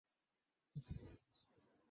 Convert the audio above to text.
Brandy, তুমি এটা গাড়িতে রেখে এসেছিলে।